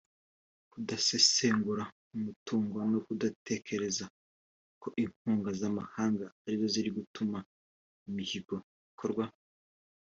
kudasesagura umutungo no kudatekereza ko inkunga z’amahanga ari zo zari gutuma imihigo ikorwa